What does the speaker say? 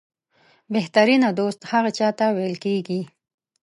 بهترینه دوست هغه چاته ویل کېږي